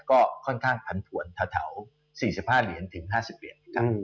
ก็ค่อนข้างพันธุวนทะเถา๔๕๕๐เหรียญ